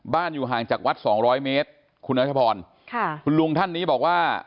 บ้านอยู่ห่างจากวัดสองร้อยเมตรครูนัทธพรคุณลุงท่านนี้บอกว่า